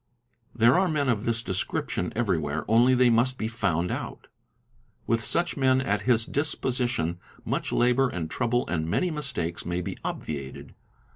There are men of this description everywhere, only they must be found out. With such men at his disposition, much labour and trouble 'and many mistakes may be obviated.